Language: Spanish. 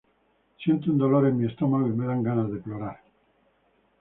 Siento un dolor en mi estómago y me dan ganas de llorar".